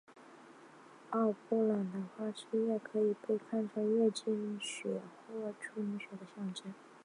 奥布朗的花汁液可以被看做是月经血或处女血的象征。